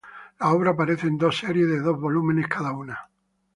La obra aparece en dos series de dos volúmenes cada una.